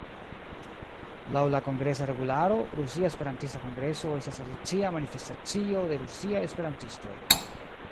Laŭ la Kongresa regularo, "Rusia Esperantista Kongreso estas tradicia manifestacio de rusiaj esperantistoj.